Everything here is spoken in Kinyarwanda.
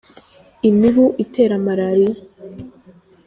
imibu itera marariya